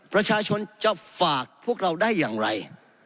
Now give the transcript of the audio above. ประชาชนจะฝากพวกเราได้อย่างไร